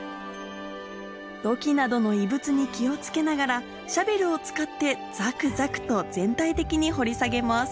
土器などの異物に気を付けながらシャベルを使ってザクザクと全体的に掘り下げます